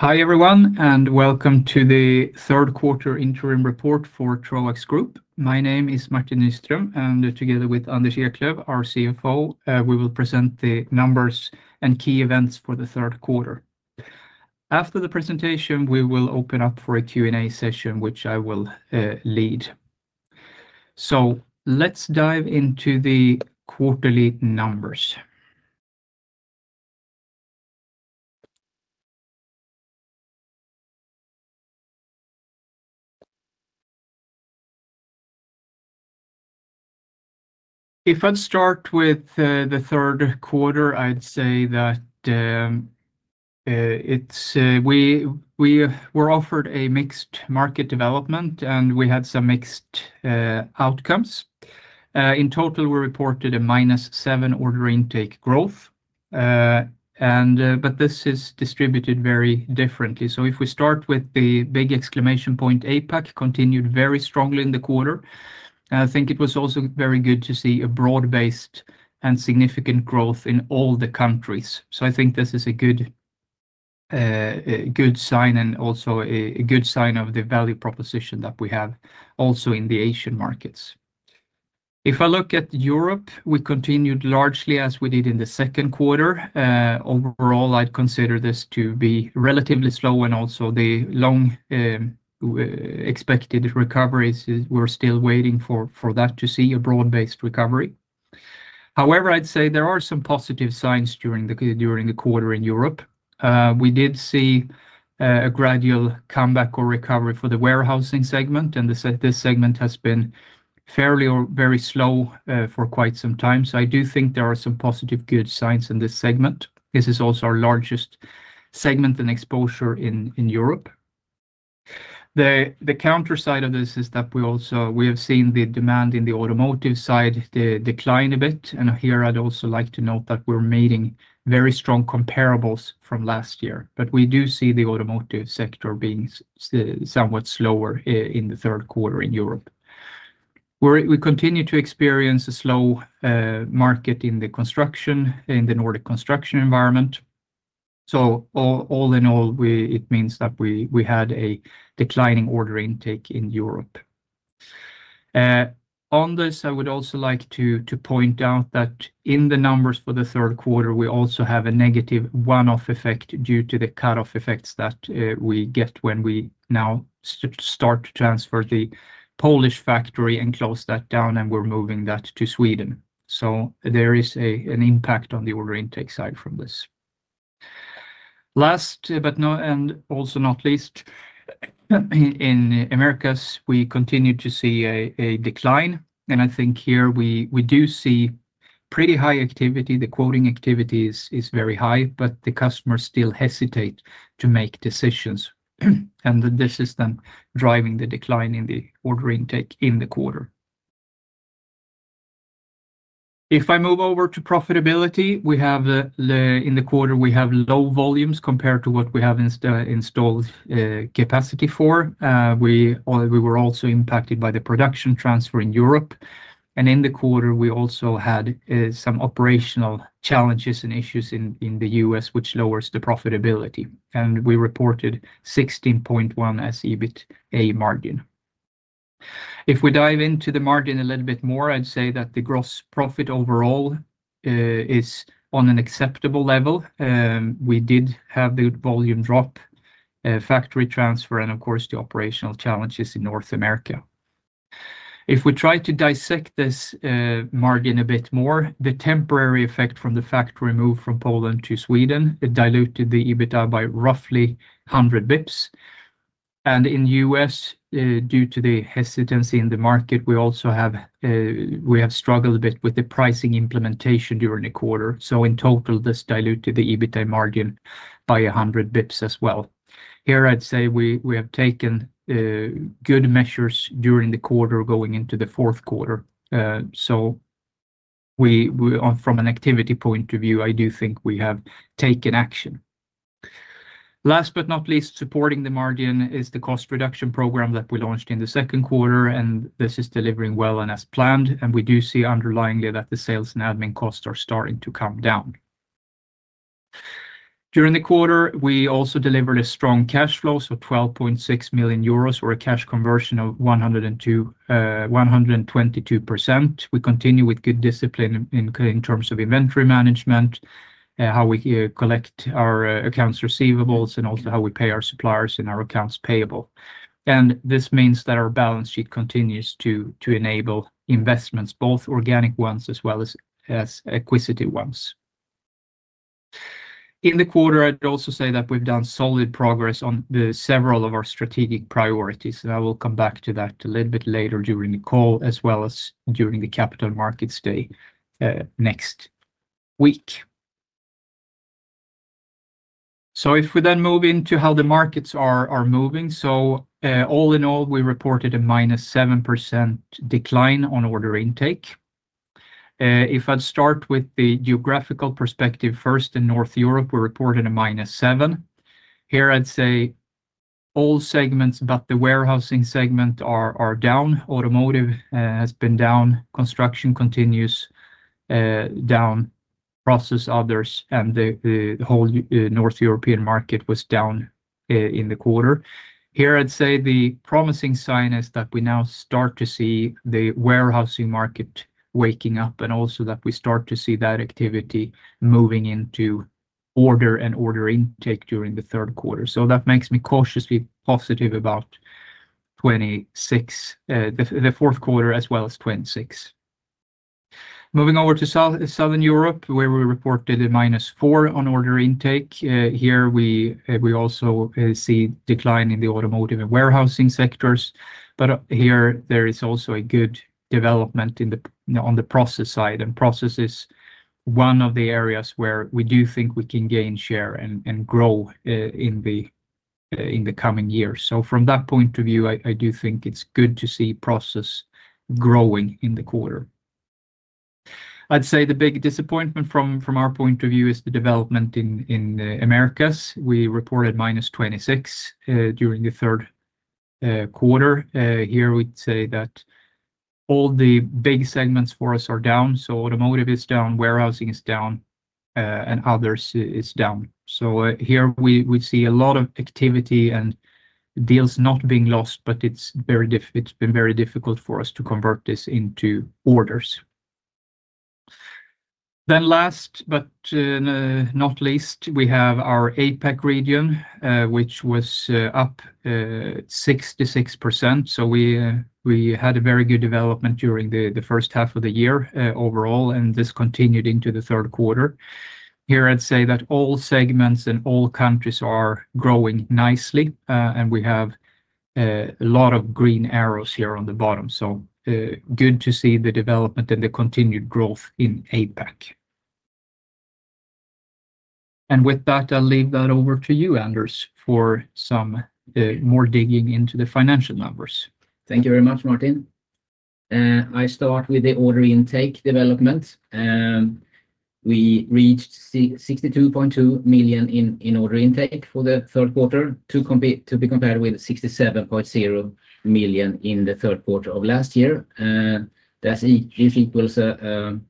Hi everyone and welcome to the third quarter interim report for Troax Group. My name is Martin Nyström and together with Anders Eklöf, our CFO, we will present the numbers and key events for the third quarter. After the presentation we will open up for a Q and A session which I will lead. Let's dive into the quarterly numbers. If I'd start with the third quarter, I'd say that we were offered a mixed market development and we had some mixed outcomes. In total, we reported a -7% order intake growth, but this is distributed very differently. If we start with the big exclamation point, APAC continued very strongly in the quarter. I think it was also very good to see a broad-based and significant growth in all the countries. I think this is a good sign and also a good sign of the value proposition that we have also in the Asian markets. If I look at Europe, we continued largely as we did in the second quarter. Overall, I'd consider this to be relatively slow and also the long-expected recoveries, we're still waiting for that to see a broad-based recovery. However, I'd say there are some positive signs during the quarter. In Europe, we did see a gradual comeback or recovery for the warehousing segment and this segment has been fairly or very slow for quite some time. I do think there are some positive good signs in this segment. This is also our largest segment and exposure in Europe. The counter side of this is that we have seen the demand in the automotive side decline a bit and here I'd also like to note that we're meeting very strong comparables from last year. We do see the automotive sector being somewhat slower in the third quarter. In Europe, we continue to experience a slow market in the Nordic construction environment. All in all, it means that we had a declining order intake in Europe. I would also like to point out that in the numbers for the third quarter, we also have a negative one-off effect due to the cutoff effects that we get when we now start to transfer the Polish factory and close that down and we're moving that to Sweden. There is an impact on the order intake side from this. Last but not least, in Americas, we continue to see a decline and I think here we do see pretty high activity. The quoting activity is very high, but the customers still hesitate to make decisions and this is then driving the decline in the order intake in the quarter. If I move over to profitability, we have in the quarter, we have low volumes compared to what we have installed capacity for. We were also impacted by the production transfer in Europe in the quarter. We also had some operational challenges and issues in the U.S. which lowers the profitability and we reported 16.1% as EBITDA margin. If we dive into the margin a little bit more, I'd say that the gross profit overall is on an acceptable level. We did have the volume drop, factory transfer, and of course the operational challenges in North America. If we try to dissect this margin a bit more, the temporary effect from the factory move from Poland to Sweden diluted the EBITA by roughly half, 100 basis points. In the U.S., due to the hesitancy in the market, we also have struggled a bit with the pricing implementation during the quarter. In total, this diluted the EBITA margin by 100 basis points as well. Here I'd say we have taken good measures during the quarter going into the fourth quarter. From an activity point of view, I do think we have taken action. Last but not least, supporting the margin is the cost reduction program that we launched in the second quarter. This is delivering well and as planned. We do see underlyingly that the sales and admin costs are starting to come down during the quarter. We also delivered a strong cash flow, so 12.6 million euros or a cash conversion of 122%. We continue with good discipline in terms of inventory management, how we collect our accounts receivables, and also how we pay our suppliers and our accounts payable. This means that our balance sheet continues to enable investments, both organic ones as well as acquisitive ones in the quarter. I'd also say that we've done solid progress on several of our strategic priorities and I will come back to that a little bit later during the call as well as during the Capital Markets Day next week. If we then move into how the markets are moving. All in all, we reported a -7% decline on order intake. If I'd start with the geographical perspective first, in North Europe we reported a -7%. Here I'd say all segments but the warehousing segment are down, automotive has been down, construction continues down, process others, and the whole North European market was down in the quarter. I'd say the promising sign is that we now start to see the warehousing market waking up and also that we start to see that activity moving into order and order intake during the third quarter. That makes me cautiously positive about the fourth quarter as well as 2026. Moving over to Southern Europe where we reported a -4% on order intake, we also see decline in the automotive and warehousing sectors. Here there is also a good development on the process side, and process is one of the areas where we do think we can gain share and grow in the coming years. From that point of view, I do think it's good to see process growing in the quarter. I'd say the big disappointment from our point of view is the development in the Americas. We reported -26% during the third quarter. Here we'd say that all the big segments for us are down. Automotive is down, warehousing is down, and others is down. We see a lot of activity and deals not being lost. It's been very difficult for us to convert this into orders. Last but not least, we have our APAC region, which was up 66%. We had a very good development during the first half of the year overall, and this continued into the third quarter. Here I'd say that all segments and all countries are growing nicely, and we have a lot of green arrows here on the bottom. Good to see the development and the continued growth in APAC. With that, I'll leave that over to you, Anders, for some more digging into the financial numbers. Thank you very much, Martin. I start with the order intake development. We reached 62.2 million in order intake for the third quarter to be compared with 67.0 million in the third quarter of last year. That equals a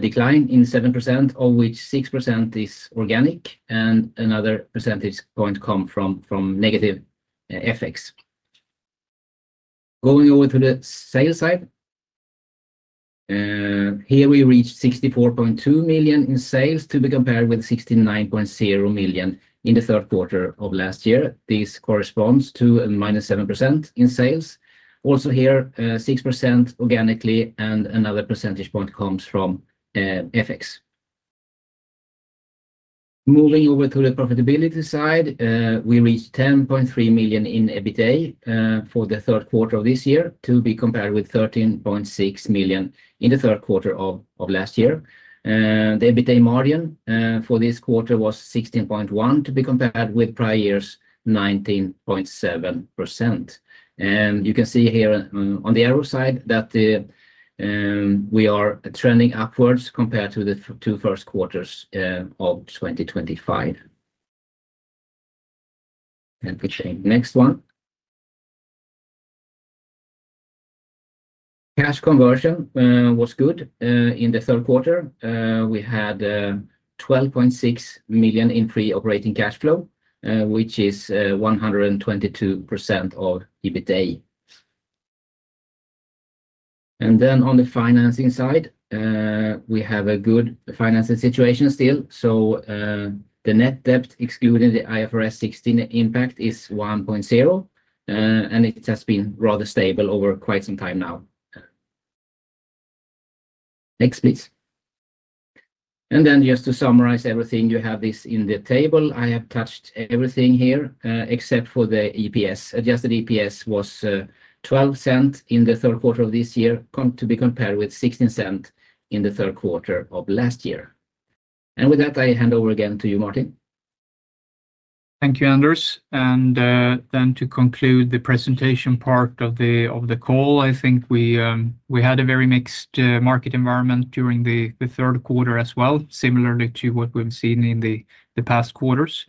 decline of 7% of which 6% is organic. Another percentage point comes from negative FX. Going over to the sales side, we reached 64.2 million in sales to be compared with 69.0 million in the third quarter of last year. This corresponds to -7% in sales, also here 6% organically. Another percentage point comes from FX. Moving over to the profitability side, we reached 10.3 million in EBITA for the third quarter of this year to be compared with 13.6 million in the third quarter of last year. The EBITA margin for this quarter was 16.1% to be compared with prior year's 19.7%. You can see here on the arrow side that we are trending upwards compared to the first two quarters of 2025. Next, cash conversion was good in the third quarter. We had 12.6 million in free operating cash flow, which is 122% of EBITA. On the financing side, we have a good financing situation still. The net debt excluding the IFRS 16 impact is 1.0 and it has been rather stable over quite some time now. Next please. Just to summarize everything, you have this in the table. I have touched everything here except for the EPS. Adjusted EPS was 0.12 in the third quarter of this year to be compared with 0.16 in the third quarter of last year. With that I hand over again to you, Martin. Thank you, Anders. To conclude the presentation part of the call, I think we had a very mixed market environment during the third quarter as well, similarly to what we've seen in the past quarters.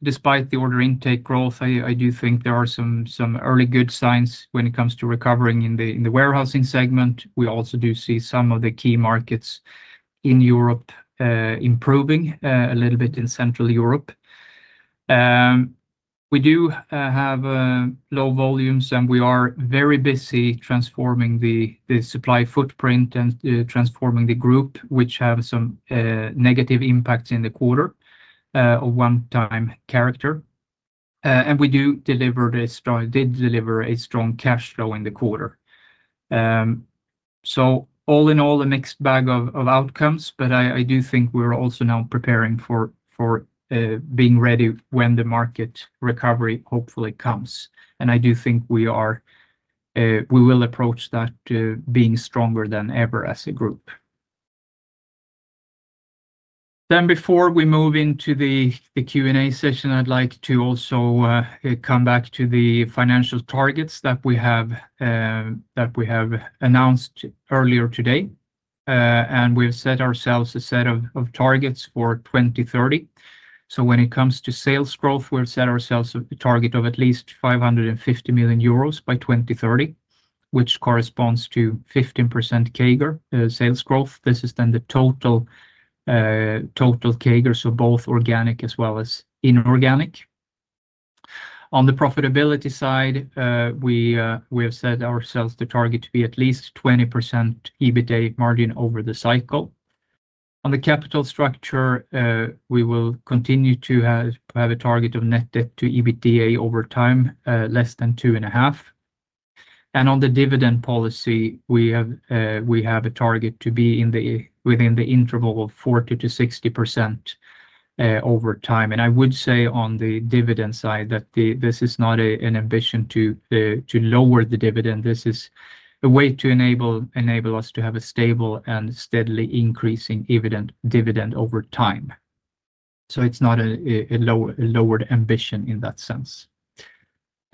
Despite the order intake growth, I do think there are some early good signs when it comes to recovering in the warehousing segment. We also do see some of the key markets in Europe improving a little bit. In Central Europe, we do have low volumes and we are very busy transforming the supply footprint, transforming the group, which have some negative impacts in the quarter of one-time character. We did deliver a strong cash flow in the quarter. All in all, a mixed bag of outcomes. I do think we're also now preparing for being ready when the market recovery hopefully comes. I do think we will approach that being stronger than ever as a group. Before we move into the Q and A session, I'd like to also come back to the financial targets that we have announced earlier today. We have set ourselves a set of targets for 2030. When it comes to sales growth, we've set ourselves a target of at least 550 million euros by 2030, which corresponds to 15% CAGR sales growth. This is the total CAGR, so both organic as well as inorganic. On the profitability side, we have set ourselves to target to be at least 20% EBITA margin over the cycle. On the capital structure, we will continue to have a target of net debt to EBITDA over time less than 2.5x. On the dividend policy, we have a target to be within the interval of 40%-60% over time. I would say on the dividend side that this is not an ambition to lower the dividend. This is a way to enable us to have a stable and steadily increasing dividend over time. It's not a lowered ambition in that sense.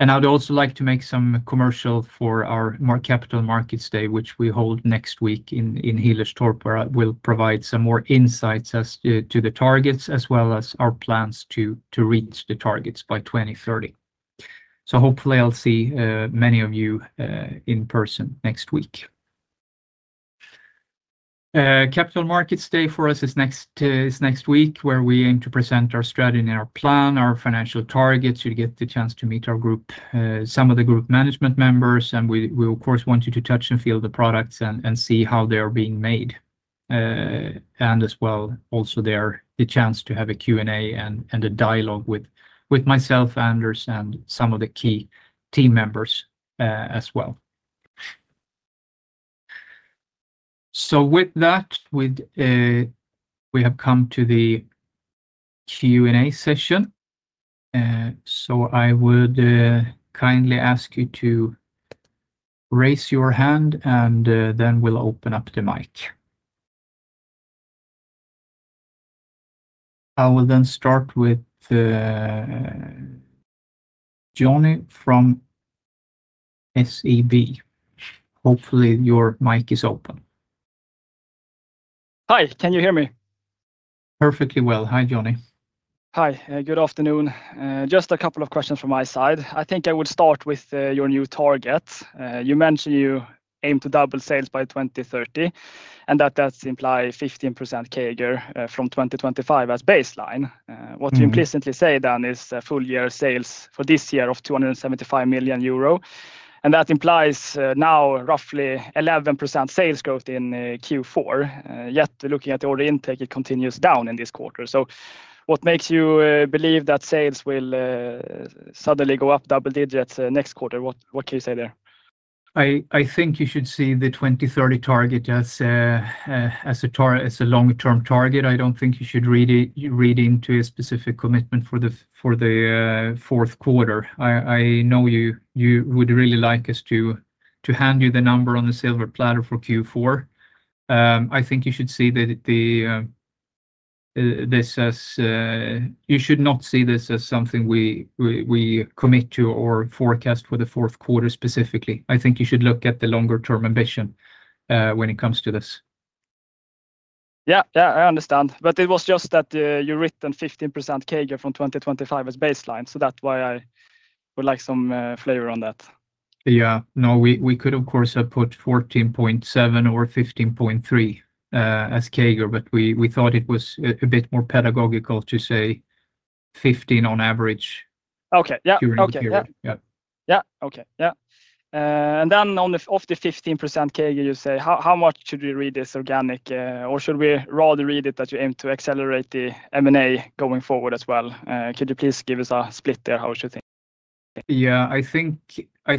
I'd also like to make some commercial for our Capital Markets Day, which we hold next week in Hillerstorp, where I will provide some more insights as to the targets as well as our plans to reach the targets by 2030. Hopefully, I'll see many of you in person next week. Capital Markets Day for us is next week, where we aim to present our strategy and our plan, our financial targets. You get the chance to meet our group, some of management members, and we of course want you to touch and feel the products and see how they are being made. There is also the chance to have a Q and A and a dialogue with myself, Anders, and some of the key team members as well. With that, we have come to the Q and A session. I would kindly ask you to raise your hand and then we'll open up the mic. I will start with Jonny from SEB. Hopefully your mic is open. Hi, can you hear me perfectly well? Hi, Jonny. Hi, good afternoon. Just a couple of questions from my side. I think I would start with your new target. You mentioned you aim to double sales by 2030 and that does imply 15% CAGR from 2025 as baseline. What you implicitly say then is full year sales for this year of 275 million euro. That implies now roughly 11% sales growth in Q4. Yet looking at the order intake, it continues down in this quarter. What makes you believe that sales will suddenly go up double digits next quarter? What can you say there? I think you should see the 2030 target as a long term target. I don't think you should read into a specific commitment for the fourth quarter. I know you would really like us to hand you the number on the silver platter for Q4. I think you should see that. This says you should not see this as something we commit to or forecast for the fourth quarter. Specifically, I think you should look at the longer term ambition when it comes to this. Yeah, yeah, I understand, but it was just that you written 15% CAGR from 2025 as baseline. That's why I would like some flavor on that. Yeah, we could of course have put 14.7% or 15.3% as CAGR, but we thought it was a bit more pedagogical to say 15% on average. Okay, yeah. Okay, yeah. On the 15% CAGR, you say how much should we read this organic or should we rather read it that you aim to accelerate the M&A going forward as well? Could you please give us a split there? How should things. I think I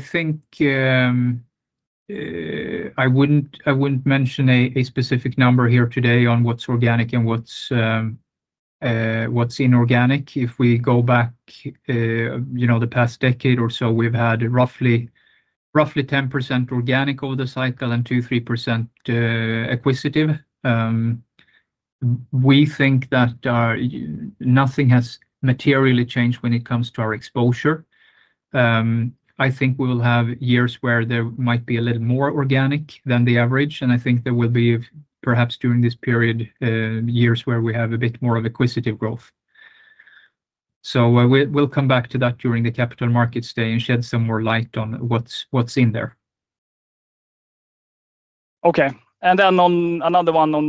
wouldn't mention a specific number here today on what's organic and what's inorganic. If we go back, you know, the past decade or so we've had roughly 10% organic over the cycle and 2%-3% acquisitive. We think that nothing has materially changed when it comes to our exposure. I think we will have years where there might be a little more organic than the average, and I think there will be perhaps during this period years where we have a bit more of acquisitive growth. We'll come back to that during the Capital Markets Day and shed some more light on what's in there. Okay. On another one, in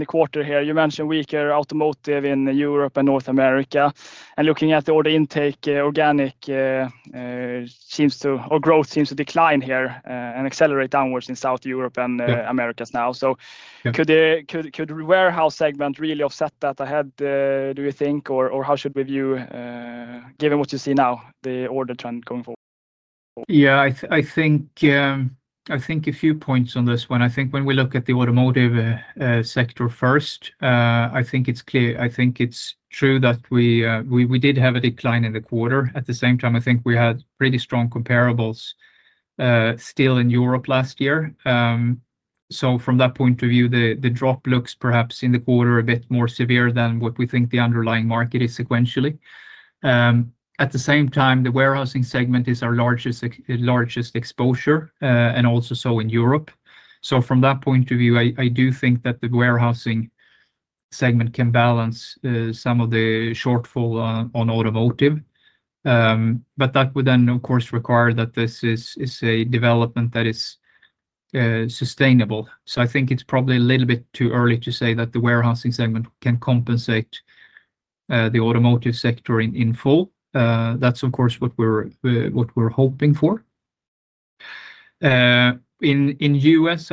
the quarter you mentioned weaker automotive in Europe and North America. Looking at the order intake, growth seems to decline here and accelerate downwards in South Europe and Americas now. Could the warehouse segment really offset that ahead, do you think? How should we view, given what you see now, the order trend going forward? I think a few points on this one. When we look at the automotive sector first, it's clear, it's true that we did have a decline in the quarter. At the same time, we had pretty strong comparables still in Europe last year. From that point of view, the drop looks perhaps in the quarter a bit more severe than what we think the underlying market is sequentially. At the same time, the warehousing segment is our largest exposure and also so in Europe. From that point of view, I do think that the warehousing segment can balance some of the shortfall on automotive. That would then of course require that this is a development that is sustainable. I think it's probably a little bit too early to say that the warehousing segment can compensate the automotive sector in full. That's of course what we're hoping for. In the U.S.,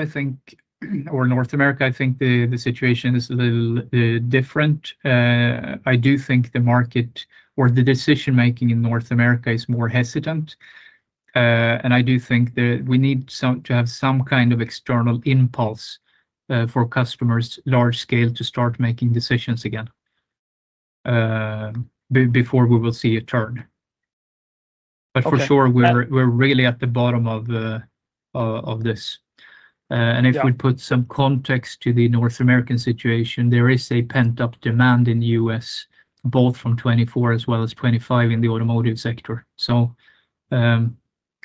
or North America, I think the situation is a little different. I do think the market or the decision making in North America is more hesitant, and I do think that we need to have some kind of external impulse for customers large scale to start making decisions again before we will see a turn. For sure, we're really at the bottom of this, and if we put some context to the North American situation, there is a pent up demand in the U.S. both from 2024 as well as 2025 in the automotive sector.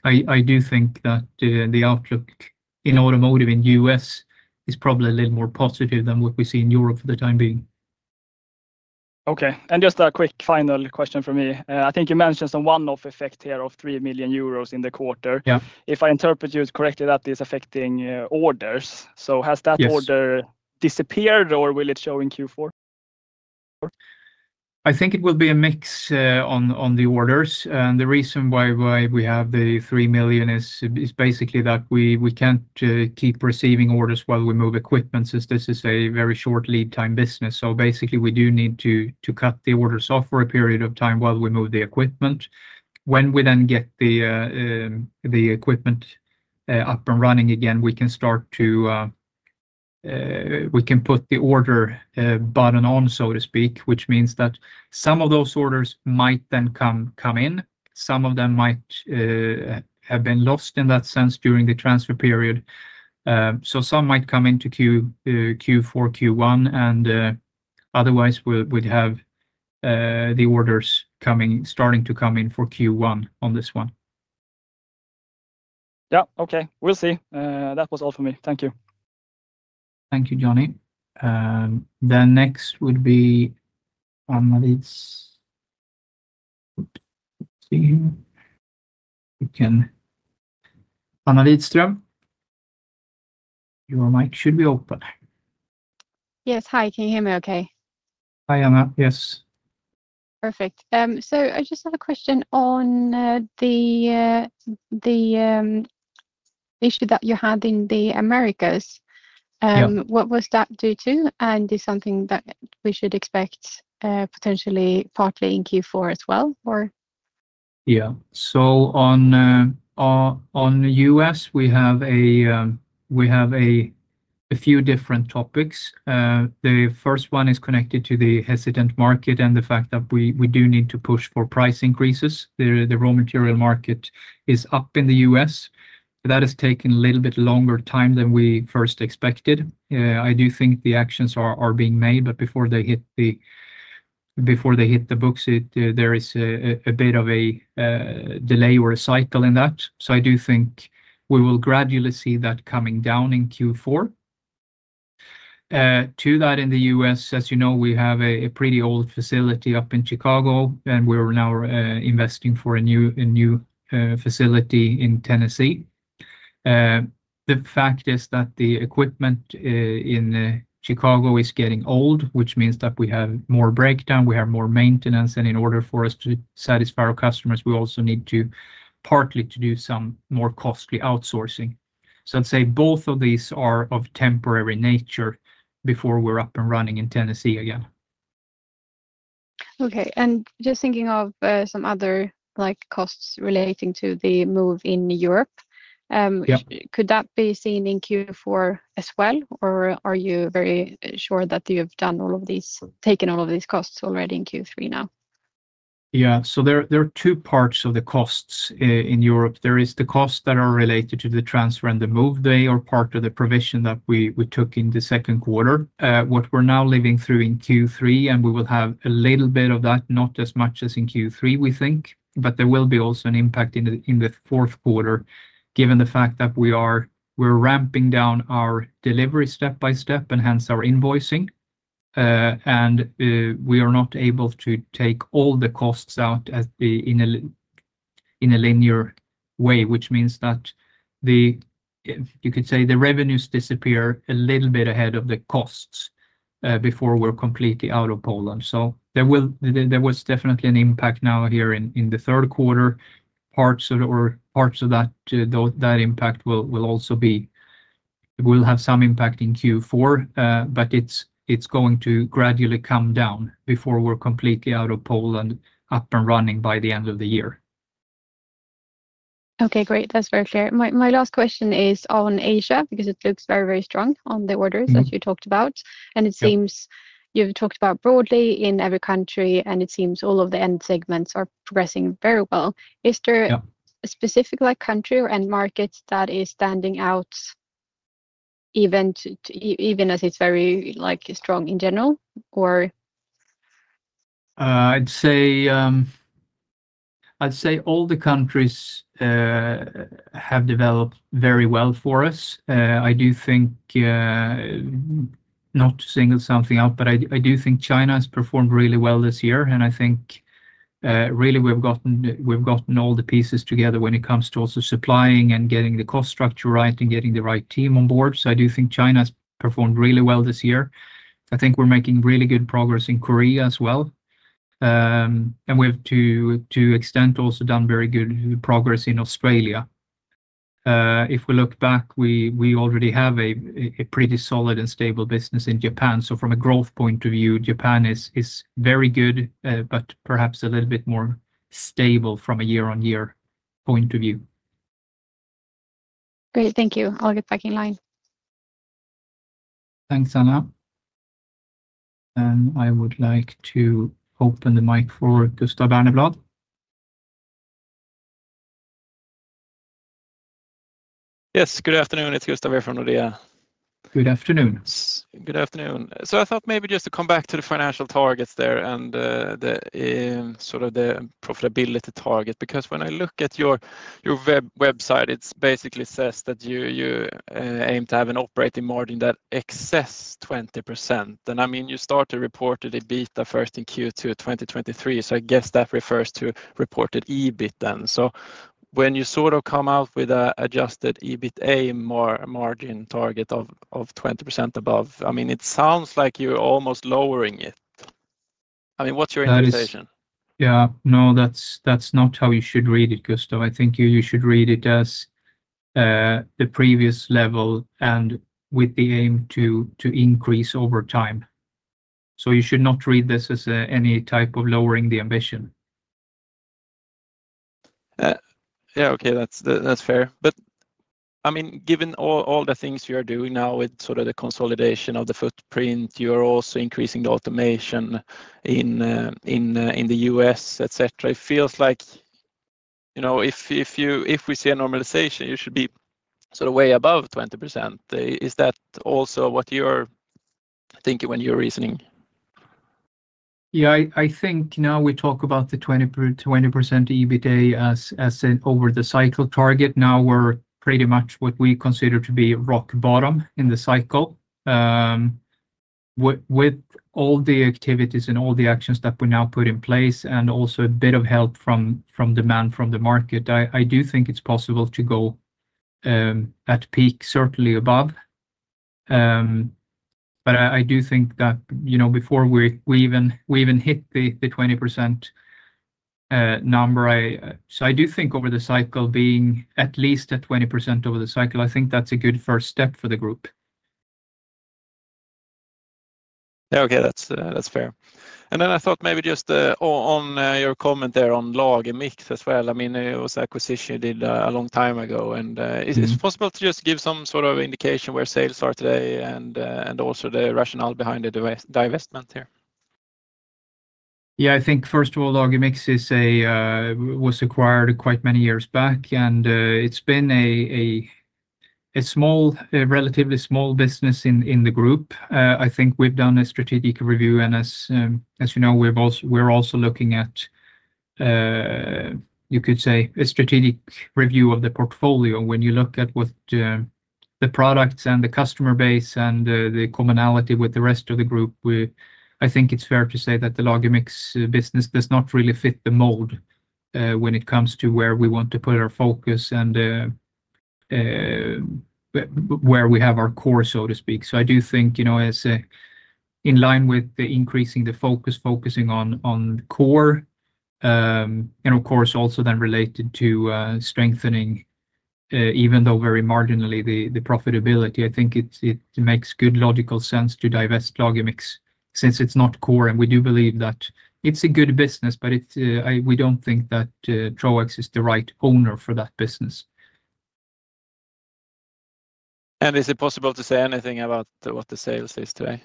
I do think that the outlook in automotive in the U.S. is probably a little more positive than what we see in Europe for the time being. Okay. Just a quick final question for me. I think you mentioned some one-off effect here of 3 million euros in the quarter. If I interpret you correctly, that is affecting orders. Has that order disappeared or will it show in Q4? I think it will be a mix on the orders. The reason why we have the 3 million is basically that we can't keep receiving orders while we move equipment since this is a very short lead time business. We do need to cut the period of time while we move the equipment. When we then get the equipment up and running again, we can start to, we can put the order button on, so to speak, which means that some of those orders might then come in. Some of them might have been lost in that sense during the transfer period. Some might come into Q4, Q1, and otherwise we'd have the orders starting to come in for Q1 on this one. Okay, we'll see. That was all for me. Thank you. Thank you, Jonny. Next would be analyst. Anna Widström, your mic should be open. Yes, hi, can you hear me okay? Hi Anna. Yes, perfect. I just have a question on the issue that you had in the Americas. What was that due to, and is it something that we should expect potentially partly in Q4 as well? Yeah. On the U.S. we have a few different topics. The first one is connected to the hesitant market and the fact that we do need to push for price increases. The raw material market is up in the U.S. and that has taken a little bit longer time than we first expected. I do think the actions are being made, but before they hit the books, there is a bit of a delay or a cycle in that. I do think we will gradually see that coming down in Q4. In the U.S., as you know, we have a pretty old facility up in Chicago and we're now investing for a new facility in Tennessee. The fact is that the equipment in Chicago is getting old, which means that we have more breakdown, we have more maintenance, and in order for us to satisfy our customers, we also need to partly do some more costly outsourcing. I'd say both of these are of temporary nature before we're up and running in Tennessee again. Okay. Just thinking of some other costs relating to the move in Europe, could that be seen in Q4 as well, or are you very sure that you have done all of these, taken all of these costs already in Q3 now? Yeah. There are two parts of the costs in Europe. There is the costs that are related to the transfer and the move. They are part of the provision that we took in the second quarter, what we're now living through in Q3. We will have a little bit of that, not as much as in Q3 we think, but there will be also an impact in the fourth quarter given the fact that we're ramping down our delivery step by step and hence our invoicing, and we are not able to take all the costs out in a linear way, which means that you could say the revenues disappear a little bit ahead of the costs before we're completely out of Poland. There was definitely an impact now here in the third quarter. Parts of that impact will also have some impact in Q4, but it's going to gradually come down before we're completely out of Poland, up and running by the end of the year. Okay, great. That's very clear. My last question is on Asia because it looks very, very strong on the orders that you talked about, and it seems you've talked about broadly in every country, and it seems all of the end segments are progressing very well. Is there a specific country and market that is standing out even as it's very strong in general? I'd say all the countries have developed very well for us. I do think, not to single something out, but I do think China has performed really well this year, and I think we've gotten all the pieces together when it comes to also supplying and getting the cost structure right and getting the right team on board. I do think China's performed really well this year. I think we're making really good progress in Korea as well, and to an extent also done very good progress in Australia. If we look back, we already have a pretty solid and stable business in Japan. From a growth point of view, Japan is very good, but perhaps a little bit more stable from a year-on-year point of view. Great, thank you. I'll get back in line. Thanks. Anna and I would like to open the mic for Gustav Berneblad. Yes, good afternoon, it's Gustav here from Nordea. Good afternoon. Good afternoon. I thought maybe just to come back to the financial targets there and sort of the profitability target because when I look at your website it basically says that you aim to have an operating margin that exceeds 20% and I mean you started reported EBITA first in Q2, 2023. I guess that refers to reported EBIT then. When you sort of come out with an adjusted EBITA, a margin target of 20% above, it sounds like you're almost lowering it. What's your expectation? No, that's not how you should read it, Gustav. I think you should read it as the previous level, with the aim to increase over time. You should not read this as any type of lowering the ambition. Yeah, okay, that's fair. I mean, given all the things you are doing now with sort of the consolidation of the footprint, you are also increasing the automation in the U.S. etc. It feels like, you know, if we see a normalization, you should be sort of way above 20%. Is that also what you're thinking when you're reasoning? Yeah, I think now we talk about the 20%, 20% EBITDA as an over the cycle target. Now we're pretty much what we consider to be rock bottom in the cycle with all the activities and all the actions that we now put in place, and also a bit of help from demand from the market. I do think it's possible to go at peak, certainly above, but I do think that before we even hit the 20% number, I do think over the cycle being at least at 20% over the cycle, I think that's a good first step for the group. Okay, that's fair. I thought maybe just on your comment there on LagerMix as well, I mean it was acquisition did a long time ago and it's possible to just give some sort of indication where sales are today and also the rationale behind the divestment here. Yeah, I think first of all LagerMix was acquired quite many years back and it's been a relatively small business in the group. I think we've done a strategic review and, as you know, we're also looking at a strategic review of the portfolio. When you look at the products and the customer base and the commonality with the rest of the group, I think it's fair to say that the LagerMix business does not really fit the mold when it comes to where we want to put our focus and where we have our core, so to speak. I do think, in line with increasing the focus on core and of course also then related to strengthening, even though very marginally, the profitability, it makes good logical sense to divest LagerMix since it's not core and we do believe that it's a good business, but we don't think that Troax is the right owner for that business. Is it possible to say anything about what the sales is today?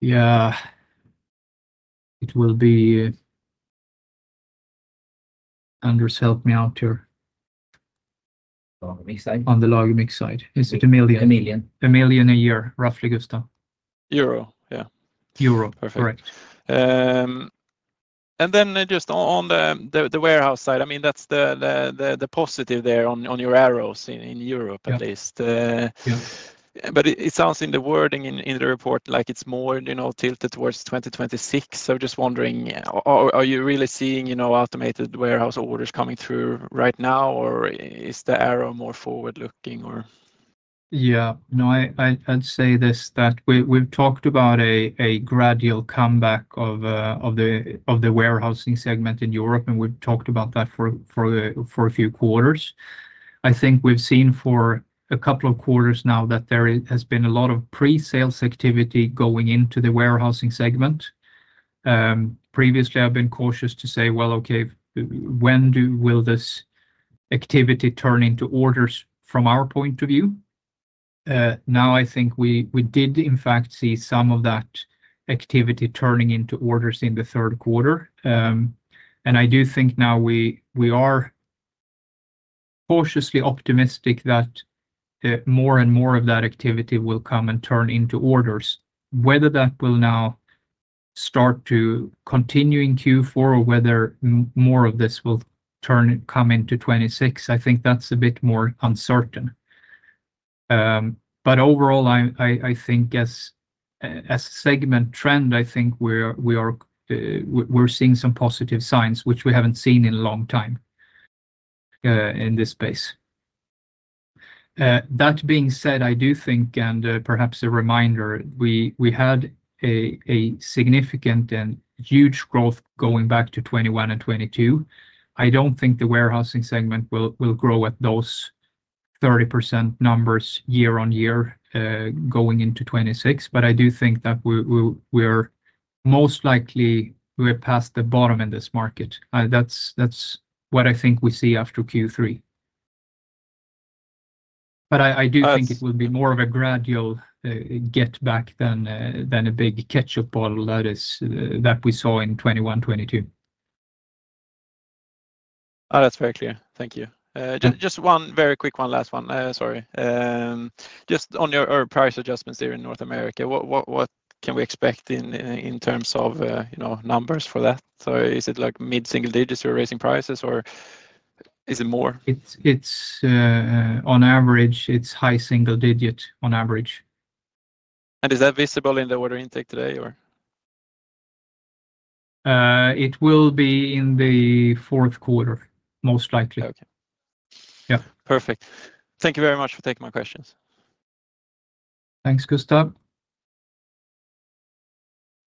Yeah, it will be. Anders, help me out here. On the LagerMix side, is it a million? A million a year? Roughly. Gustav? Euro? Yeah, euro. Correct. Just on the warehouse side, that's the positive there on your arrows in Europe at least. It sounds in the wording in the report like it's more tilted towards 2026. Just wondering, are you really seeing automated warehouse orders coming through right now or is the arrow more forward looking? Yeah, no, I'd say this, that we've talked about a gradual comeback of the warehousing segment in Europe and we've talked about that for a few quarters. I think we've seen for a couple of quarters now that there has been a lot of pre-sales activity going into the warehousing segment. Previously I've been cautious to say, okay, when will this activity turn into orders? From our point of view now I think we did in fact see some of that activity turning into orders in the third quarter and I do think now we are cautiously optimistic that more and more of that activity will come and turn into orders. Whether that will now start to continue in Q4 or whether more of this will come into 2026, I think that's a bit more uncertain. Overall, I think as a segment trend, I think we're seeing some positive signs which we haven't seen in a long time in this space. That being said, I do think, and perhaps a reminder, we had a significant and huge growth going back to 2021 and 2022. I don't think the warehousing segment will grow at those 30% numbers year on year going into 2026. I do think that we're most likely past the bottom in this market. That's what I think we see after Q3. I do think it will be more of a gradual get back than a big ketchup bottle that we saw in 2021, 2022. Oh, that's very clear. Thank you. Just one very quick one, last one. Sorry. Just on your price adjustments here in North America. What can we expect in terms of, you know, numbers for that? Is it like mid single digits, you're raising prices or is it more. It's high single digit on average. Is that visible in the order intake today? It will be in the fourth quarter? Most likely, yeah. Perfect. Thank you very much for taking my questions. Thanks, Gustav.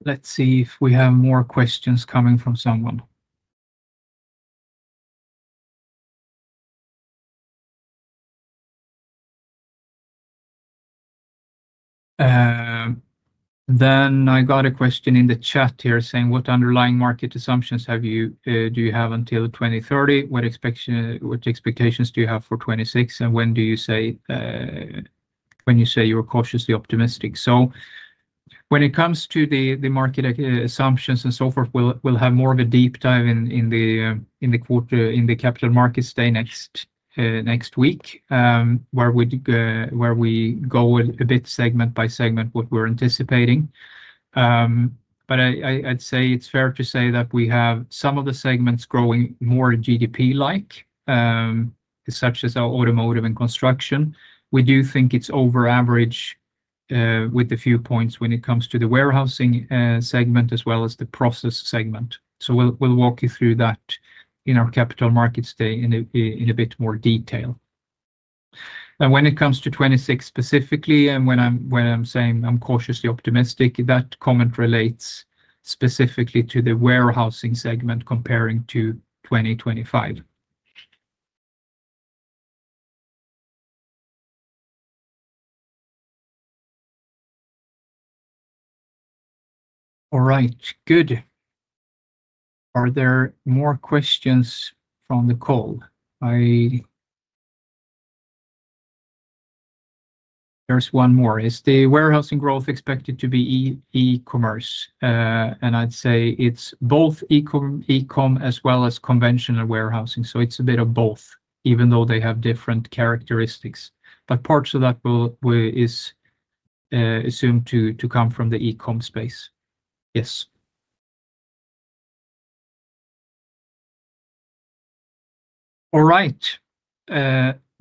Let's see if we have more questions coming from someone. Then. I got a question in the chat here saying what underlying market assumptions do you have until 2030, what expectations do you have for 2026, and when you say you're cautiously optimistic. When it comes to the market assumptions and so forth, we'll have more of a deep dive in the Capital Markets Day next week, where we go a bit segment by segment, what we're anticipating. I'd say it's fair to say that we have some of the segments growing more GDP-like, such as our automotive and construction. We do think it's over average with a few points when it comes to the warehousing segment as well as the process segment. We'll walk you through that in our Capital Markets Day in a bit more detail. Now, when it comes to 2026 specifically and when I'm saying I'm cautiously optimistic, that comment relates specifically to the warehousing segment comparing to 2025. All right, good. Are there more questions from the call? There's one more. Is the warehousing growth expected to be e-commerce? I'd say it's both e-commerce as well as conventional warehousing. It's a bit of both, even though they have different characteristics, but parts of that is assumed to come from the e-commerce space. Yes. All right.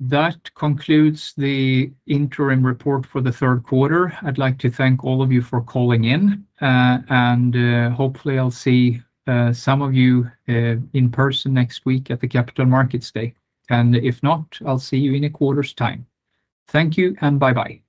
That concludes the interim report for the third quarter. I'd like to thank all of you for calling in and hopefully I'll see some of you in person next week at the Capital Markets Day, and if not, I'll see you in a quarter's time. Thank you and bye bye.